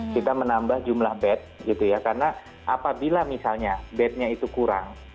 kita menambah jumlah bed gitu ya karena apabila misalnya bednya itu kurang